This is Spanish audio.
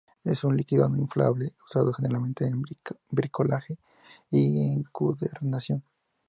Es un líquido no inflamable, usado generalmente en bricolaje y encuadernación.